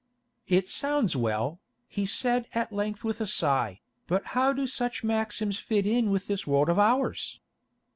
"It sounds well," he said at length with a sigh, "but how do such maxims fit in with this world of ours?